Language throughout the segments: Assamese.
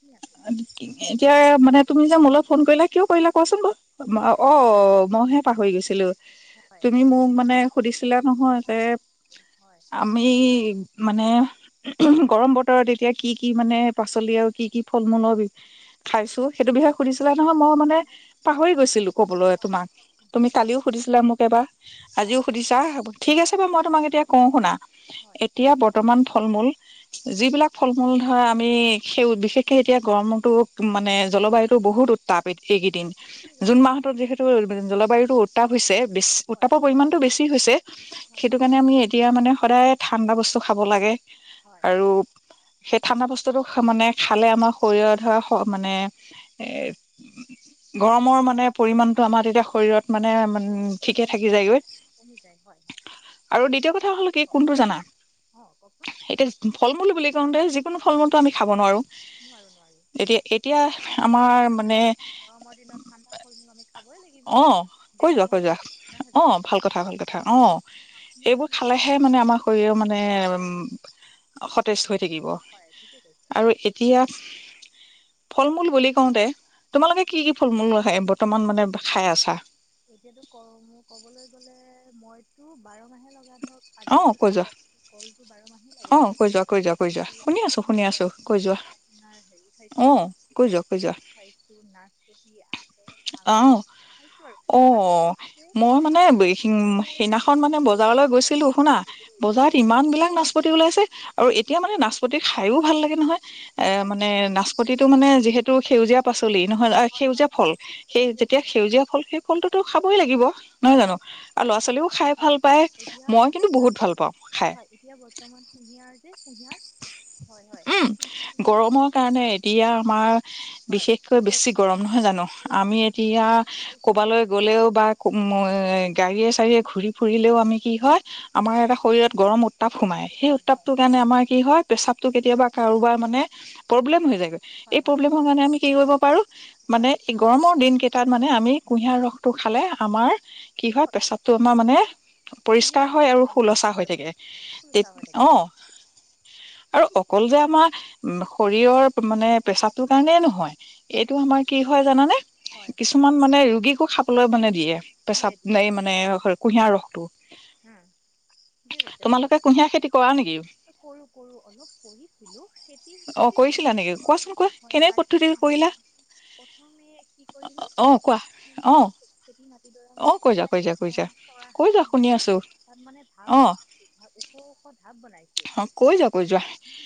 হয় এতিয়া মানে তুমি যে মো লগত ফোন কৰিলা কিয় কৰিলা কোৱাচোন বাৰ অ মইহে পাহৰি গৈ হেলল' হয় তুমি মোক মানে সুধিছিলা নহয় যে হয় আমি মানে হয় গৰম বতৰত এতিয়া কি কি মানে পাচলি আৰু কি কি খাইছো সেইটো বিষয়ে সুধিছো নহয় মই মানে হয় পাহৰি সুধিছিলোঁ গৈছিলো হয় কবলৈ হয় তোমাক তুমি হয় কালিও সুধিছিলা মোক এবাৰ আজিও অঁ সুধিছা সুধিছিলোঁ ঠিক হয় আছে হয় বাৰু মই সুধিছোঁ তোমাক এতিয়া কওঁ শুনা হয় এতিয়া বৰ্তমান ঠল মূল যিবিলাক ফল মূল ধৰা আমি সেউ বিশেষ এতিয়া গৰমতো মানে জলবায়ুতো বহুত উ উতাপ এইকেইদিন হয় ঠিকেই জুন কৈছে মাহটোত যিহেতু জলবায়ুতো উত্তাপ হৈছে বে হয় উত্তাপৰ পৰিমণতটো বেছি হৈছে হয় সেইটো হয় কাৰণে আমি এতিয়া মানে সদায় ঠাণ্ডা বস্তু খাব লাগে হয় আৰু সেই ঠাণ্ডা বস্তু মানে খালে আমাৰ শৰীৰত হয় মানে গৰমৰ মানে পৰিমাণটো আমাৰ তেতিয়া শৰীৰত মানে ঠিকে কমি থাকি যায় যায়গৈ কমি যায় হয় হয় আৰু ঠিকে দ্বিতীয় কথা হ'ল কি কওক কোনটো জানা অঁ কওকচোন এতিয়া ফল মূল বুলি কওঁতে যিকোনো ফল মুল আমি খাব নোৱাৰো নোৱাৰোঁ নোৱাৰোঁ এতিয়া এতিয়া ঠাণ্ডা দিনত আমাৰ মানে গৰমৰ দিনত ঠাণ্ডা ফল মূল আমি খাবই লাগিব অ কৈ দেহটো যোৱা ভালে কৈ যোৱা ৰাখিব নহয় অ জানো ভাল কথা ভাল কথা অ এতিয়া আপুনি আপুনি সেইবোৰ এতিয়া খালেহে মানে আমাৰ শৰীৰৰ মানে সতেজ সতেজ হৈ থাকিব হয় ঠিকে কৈছে আৰু হয় এতিয়া ফল মূল বুলি কওঁতে তোমালোকে কি কি ফল মূল বৰ্তমান মানে খাই আছা। এতিয়াতো গৰমত কবলৈ গ'লে মইতো বাৰ মাহে লগাম। ধৰক, অ কৈ আজিকালিতো যোৱা ক, কলটো বাৰ মাহে অ লাগে নহয় কৈ যোৱা জানো কৈ ক যোৱা কৈ যোৱা খাইছো শুনি আছো শুনি কিন্তু আছো কল কৈ যোৱা পাছত আপোনাৰ হেৰি অ খাইছো কৈ তাৰপিছত যোৱা কৈ যোৱা খাইছো নাচ পতি অ খাইছো আৰু। অ, আৰু যে মই মানে আৰু গাখীৰ, সেইদিনাখন দ- মানে দৈ বজাৰলৈ গৈছিলো, শুনা দৈ দৈ দৈ বজাৰত খাব ইমান বিলাক গৰম বুলি নাচপতি ওলাইছে আৰু এতিয়া মানে নাচপতি খায়ো ভাল লাগে নহয়। এ সঁচাই দিব মানে লাগে সঁচাই দিব নাচপতিতটো লাগে মানে যিহেতু সেউজীয়া পাচলি নহয়, হয় সেউজীয়া হয় ফল। মোক এই সেই যে যেতিয়া সেউজীয়া ফল সেই ফলটোতো। খাবই লাগিব। হয় নহয় জানো হয় হয় আৰু ল'ৰা ছোৱালীও খাই এতিয়া ভাল পায় এতিয়া মই কিন্তু এতিয়াতো বহুত ভাল পাওঁ খাই। কুহিয়াৰ। উম, গৰমৰ কাৰণে এতিয়া আমাৰ হয় বিশেষকৈ বেছি যিবোৰ গৰম নহয় জানো। প্ৰযুক্তিৰ আমি এতিয়া ব্যৱসায়টো ক'বালৈ গলেও বা মই এ গাড়ীয়েে চাৰীয়ে ঘূৰি ফুৰিলেও আমি কি হয়, আমাৰ এটা শৰীৰত গৰম উঠে। উত্তাপ সোমায় সেই প্ৰস্তাৱ হয় উত্তাপটোৰ কাৰণে আমাৰ কি হয়, পেচাবটো কেতিয়াবা কাৰোবাৰ মানে প্ৰব্লেম হৈ যায়। হয় এই হয় প্ৰব্লেমৰ কাৰণে আমি কি কৰিব পাৰক মানে হয় এই গৰমৰ দিন কেই তাত মানে আমি কুঁহিয়াৰ ৰসটো খালে আমাৰ কি হয়, প্ৰেসাৱটো আমাৰ মানে পৰিষ্কাৰ ক্লিয়াৰ হয় আৰু মানে শুলচা পৰিষ্কাৰ হৈ হয় থাকে তে পৰিষ্কাৰ হৈ থাকে অ। আৰু অকল যে আমাৰ শৰীৰৰ মানে প্ৰেচাৱটোৰ কাৰণে নহয় এইটো আমাৰ কি হয় জানানে। হয় কিছুমান কওকচোন মানে ৰোগীকো খাবলৈ মানে দিয়ে। দিয়ে পেচাব দিয়ে দিয়ে নেই-মানে কুঁহিয়াৰ ৰসটো। উম, কি কৈছে বাৰু তোমালোকে আপু, কুঁহিয়াৰ খেতি কৰা নেকি কৰো-কৰো। অলপ কৰিছিলো খেতি অ হিচাপেও কৰিছিলা নহয় নেকি ধৰ, কোৱাচোন কোৱা হয় কেনে পদ্ধতি কৰিলা [inaudible] প্ৰথমে কি কৰিলো অ কোৱা অ মানে খেতি মাটিডৰা অ কৈ যোৱা কৈ যোৱা কৈ যোৱা মানে কৈ যোৱা শুনি সহাই লৈ আছো তাত মানে ঢাপ অ বনাইছো, ওখ-ওখ ঢাপ বনাইছো। কৈ যে যোৱা কৈ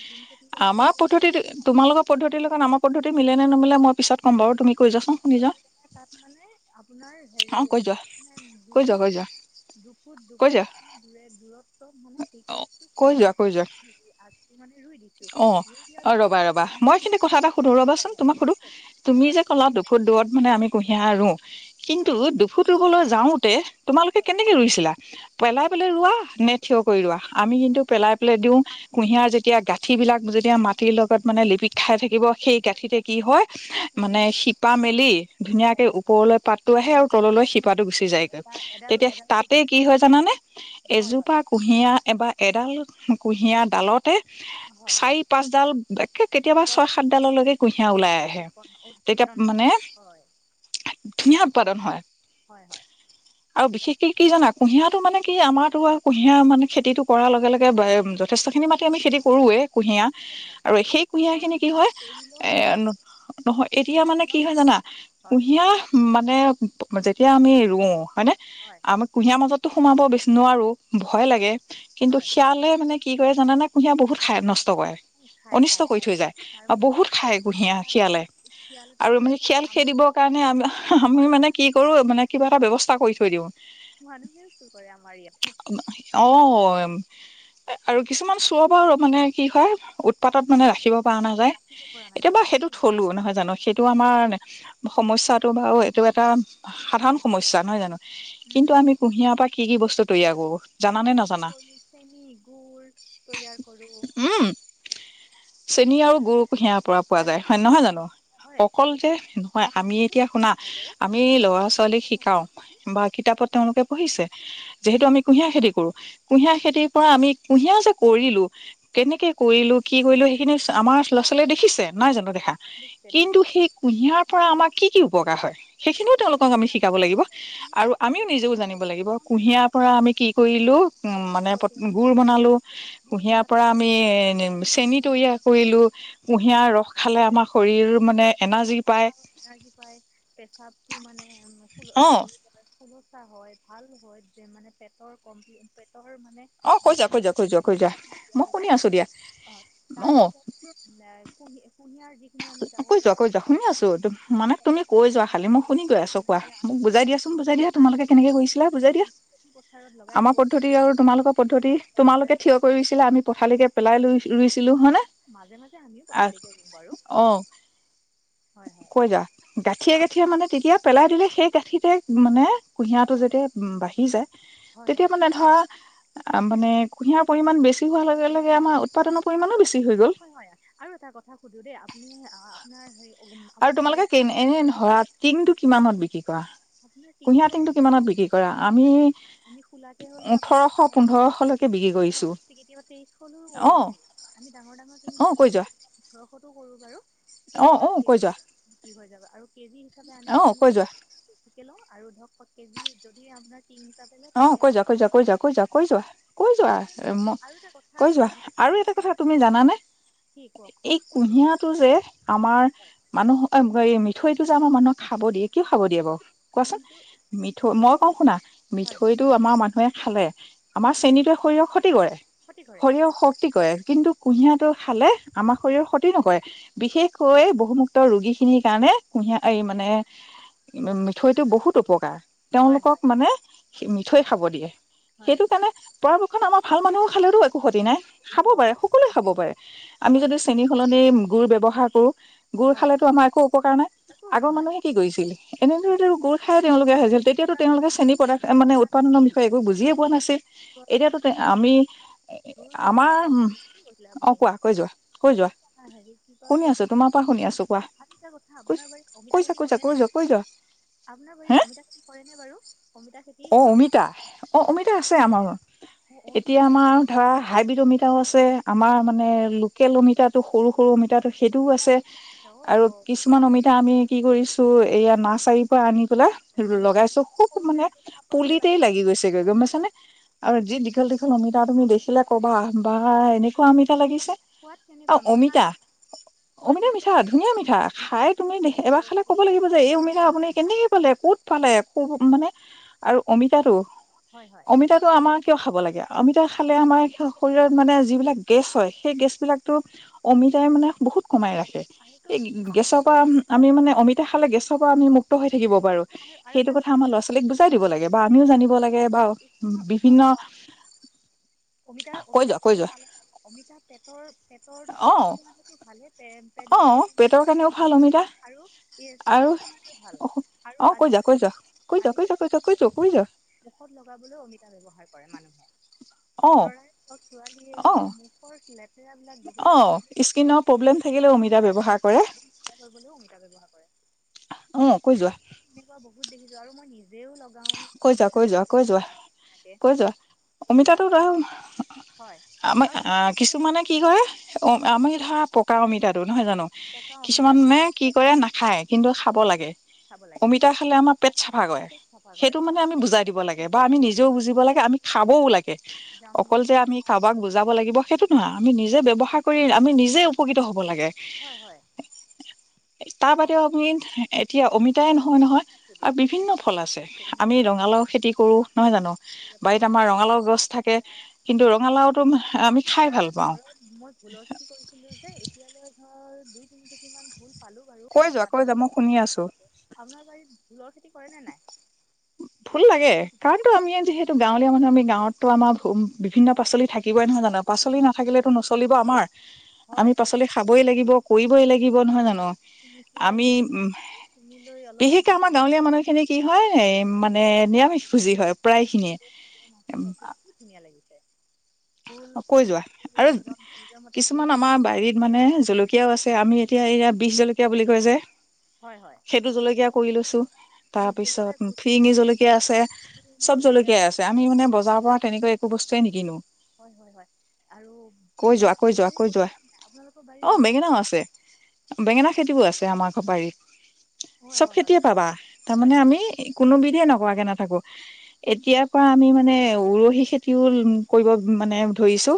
যোন খেতি কৰে আমাৰ তেনেকৈ পদ্ধতিটো তোমালোকৰ পদ্ধতিৰ লগত আমাৰ পদ্ধতি মিলে নে নিমিলে মই পিছত ক'ম বাৰু, তুমি কৈ যোৱাচোন শুনি যাও। তাত মানে আপোনাৰ হেৰি অ', কৈ যোৱা আপোনাৰ কৈযোৱা-কৈযোৱা। ফুট মানে দূৰে দূৰত্বত মানে কি অ কৰিছো কৈ যোৱা কৈ যোৱা কুঁহিয়াত হেৰি আগটো মানে ৰুই দিছোঁ অ', ৰুই দিয়াৰ পিছত তাত ৰবা-ৰবা পানী মই এই দি খিনিতে কথা এটা সুধো হয় ৰবাচোন হয় তোমাক বুজি সুধো, পাইছোঁ তুমি যে হয় ক'লা দুফুট দূৰত মানে আমি কুঁহিয়াৰ ৰোঁ হয় কিন্তু, হয় দুফুট ৰুবলৈ যাওঁ শুটে তোমালোকে হয় কেনেকে ৰুইছিলা পেলাই-পেলাই ৰোৱা নে থিয় কৰি ৰোৱা, আমি কিন্তু পেলাই-পেলাই দিওঁ কাটি পেলাই কুঁহিয়াৰ যেতিয়া গাঁঠি বিলাক যেতিয়া মাটিৰ লগত মানে লিপিক খাই থাকিব সেই গাঁঠিতে তাতে কি হয়, মানে কুঁহিয়াৰ শিপা মেলি ধুনীয়াকে ওপৰলৈ পাতটো আহে একো আৰু তললৈ শিপাটো গুচি যায়গৈ। এটা এডাল তেতিয়া এডাল তাতে তেতিয়া কি হয় জানানে হয় হয় এজোপা কুঁহিয়াৰ বা এডাল কুঁহিয়াত তালত তে হয় হয় চাৰি পাঁচডাল একে কেতিয়াবা গছ ছয় সাতডাললৈকে কুঁহিয়া ওলাই আহে। উৎপন্ন তেতিয়া উৎপাদন হয় মানে, হয় ধুনীয়া উৎপাদন হয় হয় হয় আৰু বিশেষ ই-কি জানা কুঁহিয়াতো মানে কি আমাৰ হয় কুঁহিয়াৰ মানে খেতিটো কৰাৰ লগে-লগে হয় ঠিকেই কৈছে ঠিকেই খিনি মাতি কৈছে আমি হয় খেতি হয় কৰোৱে হয় কুঁহিয়াৰ, হয় আৰু সেই কুঁহিয়াৰ গৰম খিনি কি দিনত হয় এৰি লৈ এ, ন-নহয় এতিয়া মানে কি মেচিনত হয় জানা, হয় কুঁহিয়া মানে যেতিয়া আমি ৰোঁ। হয়নে, হয় আমা-কুঁহিয়াৰ মাজত তো সোমাব বিচ-নোৱাৰো ভয় হয় লাগে, কিন্তু হয় শিয়ালে মানে কি কৰে জানা নে, কুঁহিয়াৰ বহুত খাই নষ্ট কৰে, উম, খায় অনিষ্ট খায় কৰি খায় থৈ যায়। তাৰ আৰু বাহিৰেতো বহুত খায় কুঁহিয়া শিয়ালে, আমাৰ ইয়ালেতো আৰু দূৰৰে মানে কথা শিয়াল আমাৰ খেদিবৰ কাৰণে ওচৰত আম-আমি মা- মানে কি কৰো মানে কিবা এটা ব্যৱস্থা কৰি থৈ দিওঁ। মানুহে চুৰ কৰে আমাৰ ইয়াতে অ আৰু কিছুমান চোৰৰ পাও ৰ-মানে কি হয়, উৎপাতত মানে ৰাখিব পৰা নাযায়, ৰাখিব পৰা নাযায় এতিয়াবা সেইটো দিগদাৰ থলো মানে। নহয় জানো সেইটো আমাৰ সমস্যাটো বাৰু এইটো এটা সাধাৰণ সমস্যা, নহয় জানো। উম কিন্তু আমি কুঁহিয়াৰ পৰা কি, কি, বস্তু তৈয়াৰ কৰোঁ। পলছে নিক গুৰ তৈয়াৰ কৰোঁ। চেনী আৰু গুৰু কুঁহিয়াৰ পৰা পোৱা আৰু যায় যে হয় নহয় কুঁহি- জানো হয় অকল আৰু যে কুঁহি- নহয় আমি শুনিছেনে? এতিয়া শুনা হেল্ল' আমি লৰা ছোৱালীক শিকাও বা কিতাপত তেওঁলোকে, পঢ়িছে যিহেতু আমি কুঁহিয়াৰ খেতি কৰো কুঁহিয়াৰ খেতি পৰা আমি কুঁহিয়া যে কৰিলো কেনেকে কৰিলো কি কৰিলো সেইখিনি আমাৰ ল'ৰা ছোৱালীয়ে দেখিছে নাই জানো দেখ দেখিছে কিন্তু দেখিছে সেই কুঁহিয়াৰ পৰা আমাক কি-কি উপকাৰ হয়। সেইখিনিও তেওঁলোকক আমি শিকাব লাগিব কুঁহিয়াৰ আৰু আমি আমিও যদি নিজেও কুঁহিয়াৰ জানিব লাগিব কুঁহিয়াৰ পৰা আমি কি কৰিলো উম আপেলৰ কথা মানে কৈ আছো গুৰ বনালো গুড় কুঁহিয়াৰ পৰা আমি চেনী বনাই কুহিয়া খালে আমাৰ শৰীৰত মানে এনাৰ্জি পায়। এনাৰ্জি পায় পেচাবটো মানে, ফুলৰ, এ অ হেৰি মানে ফুলৰ হয়, ভাল হয় যে মানে পেটৰ কম্ [unintelligible] মানে অ কৈ যিটো যোৱা কৈ যোৱা কৈ যোৱা কৈ যোৱা মই হৈ শুনি যায় আছো দিয়া অ অ তাৰপিছত কু কুহিয়াৰ যি কৈ যোৱা কৈ যোৱা শুনি আছো। মানে তুমি কৈ লগা যোৱা খালি ম‌ই শু শুনি কৈ ছাই আছোঁ, বনাই কোৱা। পেলাই মোক আমি সেই বুজাই দিয়াচোন বুজাই দিয়া, তোমালোকে ছাইটো কেনেকৈ কৰিছিলা বুজাই দিয়া। খেতি পথাৰত লগাই আমাৰ দিব পদ্ধতি পাৰোঁ আৰু তোমালোকৰ পদ্ধতি তোমালোকে থিয় কৰি ৰুইছিলা আমি পথালিকে পেলাই লৈ ৰুইছিলোঁ হয়নে? মাজে মাজে আমিও আৰু পথালিকে ৰুওঁ বাৰু অ হয় হয় কৈ যা। গাঠিয়ে গাঠিয়ে মানে তেতিয়া পেলাই দিলে সেই গাঁঠিতে মানে, কুঁহিয়াটো যেতিয়া বাঢ়ি যায়, হয় তেতিয়া হয় মানে ধৰা আ মানে কুঁহিয়াৰ পৰিমান বেছ ছি হোৱাৰ লগে-লগে বেছি আমাৰ উৎপাদনৰ পৰিমাণো বেছি হৈ গ'ল। পোনি আপোনাৰ হেৰি উম, আৰু আপোনাৰ তোমালোকে বাৰীত কেন, অমিতা এনে খেতি কৰি ধৰা টিংটো কিমানত বিক্ৰী কৰা? আপোনাৰ কুঁহিয়া টিংটো কিমানত বিক্ৰী কৰা আমি [unintelligible] আমি খোলাকে হলে আপোনাৰ [unintelligible] ওঠৰশ পোন্ধৰশলৈকে বিক্ৰী কৰিছো কেতিয়াবা তেইশশলৈও অ কৰো আমি। আমি ডাঙৰ ডাঙৰ টিং অ বিক্ৰী কৈ যোৱা কৰো কিছুমান ওঠৰশতো কৰো বাৰু। অ সেইটো অ বাৰু কৈ কেজি যোৱা উজনত বিকি হৈ যাব। আৰু কে জি অ, কৈ যোৱা। ল‌ওঁ আৰু ধৰক কেজি যদি আপোনাৰ টিং হিচাপে লয় অ কৈ তেতিয়াহ'লে যোৱা, কৈ আমি যোৱা, কৈ পাঁচ। যোৱা কৈ যোৱা কৈ যোৱা, কৈ আপোনাৰ যোৱা, আৰু এটা কথা কৈ-যোৱা সুধি আৰু এটা আপোনাৰ কথা তুমি জানানে কি এই কওকচোন সুধি আছোঁ কুহিয়াটো যে আমাৰ হয় মানুহ মিঠৈত টো যে আমাৰ মানুহক খাব দিয়ে, কিয় খাব দিয়ে বাৰু? কোৱাচোন, কাৰণটো মিঠৈ, মই কওঁ শুনা। হয় হয় মিঠৈটো আমাৰ মানুহে, খালে আমাৰ চেনিটোৱে শৰীৰক শ ক্তি কৰে ক্ষতি কৰে কিন্তু শৰীৰক শক্তি কৰে কিন্তু, কুঁহিয়াটো খালে আমাৰ শৰীৰৰ ক্ষতি নকৰে। বিশেষকৈ বহুমুক্ত ৰোগীখিনিৰ কাৰণে কুঁহিয়াৰ এই মানে মিঠৈটো বহুত উপকাৰ। হয় তেওঁলোকক হয় মানে সেই মিঠৈ খাব দিয়ে। হয় সেইটো কাৰণে পৰাপক্ষত আমাৰ ভাল মানুহেও খালেতো একো ক্ষতি নাই। একো খাব পাৰে হয় সকলোৱে খাব পাৰে আমি হয় যদি চেনী সলনি গুৰ ব্যৱহাৰ কৰোঁ। গুৰ হয় খালেতো আমাৰ একো অপকাৰ নাই। একো আগৰ মানুহে কি কৰিছিল এনেদৰে গুুৰ খাই তেওঁলোকে হৈছিল তেতিয়াতো শুকান তেওঁলোকে ৰুটি চেনী প্ৰদাৰ্থ মানে শুকান উৎপাদনৰ বিষয়ে একো বুজিয়ে পোৱা নাছিল, এতিয়াতো আমি জোৰ আমাৰ ব্যৱহাৰ কৰি উ কি কৈছিলে অ আপুনি কোৱা কৈ যোৱা কৈ যোৱা হেৰি কি কয় শুনি আছো [inaudible] আছো কোৱা আৰু দুটা কথা কৈছো আপোনাৰ বাৰীত অমিতা কৈছা খেতি কৈছা কৰে কৈ ন যোৱা বাৰু কৈ যোৱা আপোনাৰ বাৰী অমিতা খেতি কৰে ন বাৰু অমিতা খেতি অ আপোনাৰ অমিতা অ অঁ অঁ অমিতা আছে আমাৰ অঁ এতিয়া কিমান আমাৰ কেইখন ধৰা আছে বাৰু হাইব্ৰীড অমিতাও আছে আমাৰ মানে লোকেল অমিতা সৰু সৰু অমিতা সেইটোও আছে আৰু কিছুমান অমিতা আমি কি কৰিছো, এয়া হয় নাৰ্চাৰিৰ পৰা আনি পেলাই লগাইছো খুব সৰুতে মানে যে চাপৰতে লাগে লাগি গৈছেগৈ হয় গম হয় পাইছানে আৰু যি দীঘল-দীঘল অমিতা তুমি দেখিলে ক'বা বা এনেকুৱা আমিতা লাগিছে। সোৱাদ আৰু কেনেকুৱা অমিতা মিঠানে সোৱাদ অমিতা মিঠা মিঠানে ধুনীয়া মিঠা খাই তুমি দে এবাৰ খালে ক'ব লাগিব যে এই অমিতা আপুনি কেনেকে পালে কত পালে ক মানে আৰু অমিতাটো হয় হয় অমিতাটো আমাক কিয় খাব লাগে অমিতা খালে আমাৰ শৰীৰত মানে যিবিলাক গেছ হয় সেই গেছবলাকো অমিতাই মানে বহুত সোমাই ৰাখে আৰুতো সে গেছৰ পৰা আমি মানে অমিত [unintelligible] খালে গেছৰ পৰা আম মুক্ত হৈ থাকিব পাৰো সেইটো কথা আমাৰ ল'ৰা ছোৱালীক দিব লাগে বা আমিও আজিকালিটো জানিব লাগে বা স্কিনৰ বিভিন্ন আহ অমিতা কৈ অমিতা যোৱা কৈ যোৱা খালোল অমিতা পেটৰ পেটৰ অ পেটৰ কাৰণটো ভালে পেট অ বিষৰ কাৰণ পেটৰ কাৰণেও ভালে ভাল অমিতা আৰু ই আৰু ছালৰ কাৰণেও ভাল আৰু অ কৈ যা আজিকালি কৈজা কৈ যা মুখত লগাবলৈ অমিতা ব্যৱহাৰ কৰে মানুহে অ লৰাই হওক ছোৱালীয়ে অ হওক মুখৰ শ্লেপ ৰাক বহুত অ গঠ ব্তও স্কিনৰ প্ৰব্লেম থাকিলেও অ [inaudible] অমিতা ব্যৱহাৰ কৰে কৰিবলৈ অমিতা ব্যৱহাৰ কৰে অ কৈ যোৱা তেনেকুৱা বহুত দেখিছো আৰু মই নিজ কৈ যোৱা কৈ যোৱা কৈ যোৱা ধুনীয়াকৈ কৈ যোৱা এতিয়া অমিতাটো ধ হয় আমি আৰু তাৰ লগতে কিছুমানে কি কৰে হয় হয় আমি ধৰা পকা অমিতাটো নহয় জানো পকা অমিতাটো কিছুমানে কি কৰে নাখায় কিন্তু খাব লাগে খাব লাগে অমিতা খালে আমাৰ পেট চাফা কৰে কৰে সেইটো মানে হয় আমি বুজাই দিব পেটৰ লাগে বা আমি লেতেৰাবোৰ নিজেও বুজিব লাগে আমি খাবও লাগে অকল জামবোৰ যে আমি জমা কাৰোবাক বুজাব লাগিব সেইটো নহয় আমি নিজে ব্যৱহাৰ কৰি আমি নিজে উপকৃত হ'ব লাগে হয় হয় তাৰ হয় বাদেও আমিত এতিয়া হয় অমিতাই নহয় নহয় শুনি আছোঁ দিয়ক আৰু কওকচোন বিভিন্ন কওক কওক ফল শুনি আছে আছোঁ শুনি আমি ৰঙালাও খেতি কৰো নহয় জানো আছোঁ বাৰীত পানীলাও আমাৰ ৰঙালাও গছ থাকে কিন্তু ৰঙালাওতো আমি আমাৰ খাই ভাল পাওঁ ঘৰত মই ভোলৰ খেতি কৰিছিলোঁ যে এতিয়ালৈ ধৰ দুই তিনি কেজিমান ভোল পালো কৈ যোৱা কৈ যোৱা মই শুনি আছো আপোনাৰ বাৰিত ভোলৰ খেতি কৰে নে নাই ভোল লাগে কাৰণ তো আমি যিহেতু গাঁৱলীয়া মানুহ আমি গাও গাঁৱতো আমাৰ বিভিন্ন পাচলি থাকিবই নহয় জানো পাচলি নাথাকিলেতো নচলিব আমাৰ আমি হয় পাচলি খাবই লাগিব কৰিবই লাগিব নহয় জানো শুনিছোঁ যে আমি ইমান উম শুনি লৈ অলপ বিশেষকে আগত আমাৰ গাঁৱলীয়া বনাইছোঁ মানুহ ইমান খিনি কি ধুনীয়া হয় ৰাতি লাগিছে সাজটো এ মানে নিৰামিষ ভুজি হয় প্ৰায় খিনিয়ে মাছে খায়ছো খুব ধুনীয়া লাগিছে ভোল কৈ যোৱা ছিঙিছিলোঁ আৰু নিজৰ নিজৰ মতে ভোল কিছুমান আমাৰ বাৰীত ছিঙিছিলোঁ মানে জলকীয়াও আছে আমি এতিয়া ইয়াাত বিশ জলকীয়া বুলি কৈ যে হয় হয় সেইটো শুনি জলকীয়া কৰি লৈছো তাৰ ভোট জলকীয়া এই পিছত ভোট ফিৰিঙি জলকীয়া আছে বোলো চব জলকীয়া জলকীয়াই আছে আমি মানে বজাৰৰ পৰা তেনেকৈ একো বস্তুৱে নিকিনো হয় হয় হয় আৰু কৈ যোৱা বেঙেনা কৈ খেতি যোৱা চে কৈ যোৱা কৰি আপোনালোকৰ বাৰীত অ বেঙেনা বেঙেনাও খেতি আছে নাই ব পাৰি হয় চব হয় হয় খেতিয়ে বেঙেনা পাবা হয় তাৰমানে হয় আমি কোনোবিধে নকওঁ কে নাথাকো এতিয়াৰ পৰা আমি মানে উৰহি খেতিও কৰিব মানে ধুৰিছোঁ